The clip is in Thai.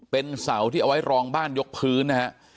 เป็นเสาที่เอาไว้รองบ้านยกพื้นนะฮะ